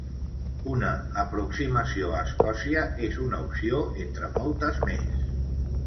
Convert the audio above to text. Una aproximació a Escòcia és una opció entre moltes més.